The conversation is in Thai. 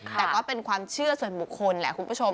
แต่ก็เป็นความเชื่อส่วนบุคคลแหละคุณผู้ชม